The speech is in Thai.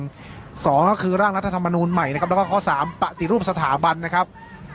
สองก็คือร่างรัฐธรรมนูลใหม่นะครับแล้วก็ข้อสามปฏิรูปสถาบันนะครับ